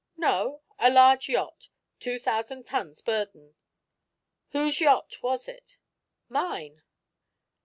"No, a large yacht. Two thousand tons burden." "Whose yacht was it?" "Mine."